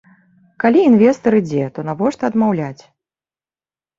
Калі інвестар ідзе, то навошта адмаўляць?